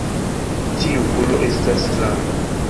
Tiu ulo estas stranga.